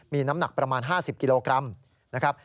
มีน้ำหนักประมาณ๕๐กิโลกรัมนะครับ